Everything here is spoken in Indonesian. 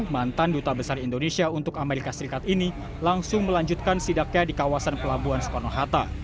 mantan duta besar indonesia untuk amerika serikat ini langsung melanjutkan sidaknya di kawasan pelabuhan soekarno hatta